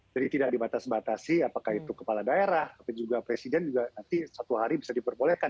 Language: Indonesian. jadi tidak dibatas batasi apakah itu kepala daerah atau juga presiden juga nanti satu hari bisa diperbolehkan